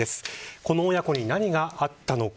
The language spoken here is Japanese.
この親子に何があったのか。